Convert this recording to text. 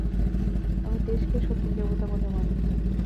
আমি দেশকে সত্যই দেবতা বলে মানি।